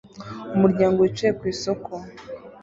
Umuryango wicaye ku isoko